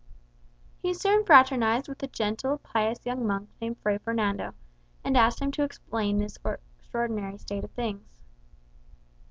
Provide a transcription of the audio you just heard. He soon fraternized with a gentle, pious young monk named Fray Fernando, and asked him to explain this extraordinary state of things.